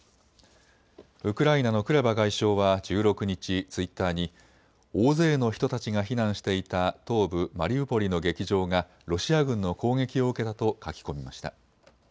ウクライナのクレバ外相は１６日、ツイッターに大勢の人たちが避難していた東部マリウポリの劇場がロシア軍の攻撃を受けたと書き込みました。